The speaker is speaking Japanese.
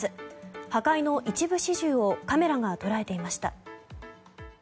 破壊の一部始終をカメラが捉えていました。